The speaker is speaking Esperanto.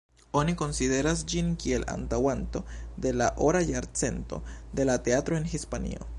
Oni konsideras ĝin kiel antaŭanto de la ora jarcento de la teatro en Hispanio.